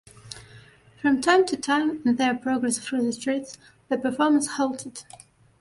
From time to time in their progress through the streets the performers halted.